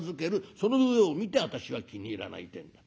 その上を見て私は気に入らないってえんだ。